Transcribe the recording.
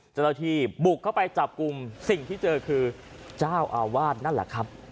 เจ้าหน้าที่บุกเข้าไปจับกลุ่มสิ่งที่เจอคือเจ้าอาวาสนั่นแหละครับ